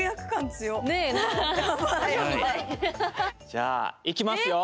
じゃあいきますよ。